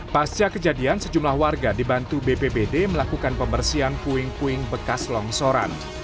pasca kejadian sejumlah warga dibantu bpbd melakukan pembersihan puing puing bekas longsoran